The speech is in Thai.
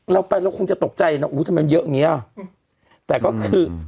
เราไปแล้วคงจะตกใจนะอู๋ทำไมเยอะอย่างเงี้ยอืมแต่ก็คือ